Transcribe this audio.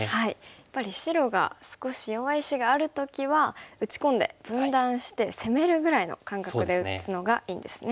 やっぱり白が少し弱い石がある時は打ち込んで分断して攻めるぐらいの感覚で打つのがいいんですね。